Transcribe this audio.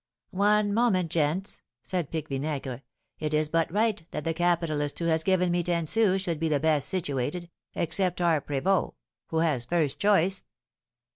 "One moment, gents!" said Pique Vinaigre. "It is but right that the capitalist who has given me ten sous should be the best situated, except our prévôt, who has first choice."